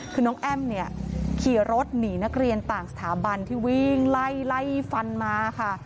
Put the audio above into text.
คือน้องแอ้มเนี่ยขี่รถหนีนักเรียนต่างสถาบันที่วิ่งไล่ไล่ฟันมาค่ะ